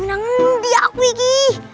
mau nangdi aku ini